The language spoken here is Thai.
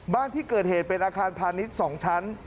บ้านที่เกิดเหตุเป็นอาคารพาณิชย์๒ชั้น